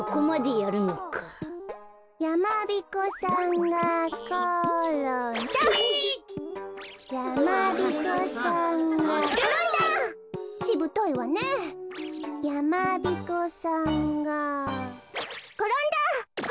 やまびこさんがころんだ！